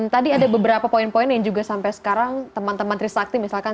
tadi ada beberapa poin poin yang juga sampai sekarang teman teman trisakti misalkan